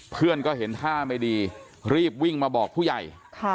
เพื่อนก็เห็นท่าไม่ดีรีบวิ่งมาบอกผู้ใหญ่